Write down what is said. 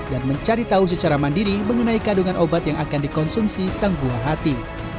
dan mencari tahu secara mandiri mengenai kandungan obat yang akan dikonsumsi sang buah hati